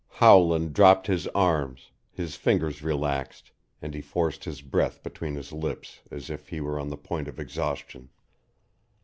Howland dropped his arms, his fingers relaxed, and he forced his breath between his lips as if he were on the point of exhaustion.